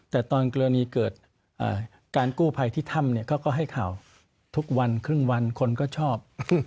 แต่ตอนกรณีเกิดการกู้ภัยที่ถ้ำก็ให้ข่าวทุกวันครึ่งวันคนก็ชอบ